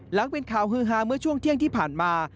หลังเป็นข่าวฮือฮาเมื่อช่วงเที่ยงที่ผ่านมา